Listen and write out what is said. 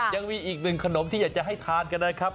ยังมีอีกหนึ่งขนมที่อยากจะให้ทานกันนะครับ